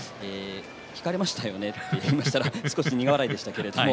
引かれましたねと言いましたら少し苦笑いでした。